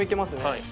はい。